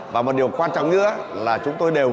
và một điều quan trọng nữa là chúng tôi đều